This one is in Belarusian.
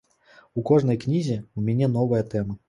У кожнай кнізе ў мяне новая тэма.